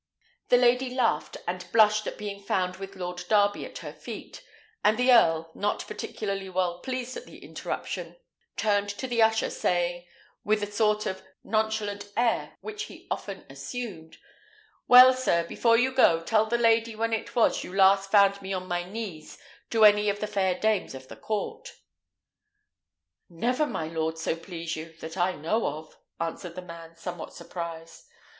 The lady laughed and blushed at being found with Lord Darby at her feet; and the earl, not particularly well pleased at the interruption, turned to the usher, saying, with the sort of nonchalant air which he often assumed, "Well, sir, before you go, tell the lady when it was you last found me on my knees to any of the fair dames of the court." "Never, my lord, so please you, that I know of," answered the man, somewhat surprised.